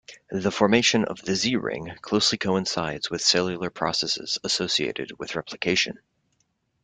The formation of the Z-ring closely coincides with cellular processes associated with replication.